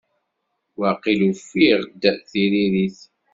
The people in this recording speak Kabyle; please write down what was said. Waqil ufiɣ-d tiririt.